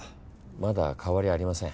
まだ変わりありません。